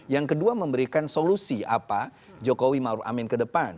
yang kedua memberikan solusi apa jokowi maruf amin ke depan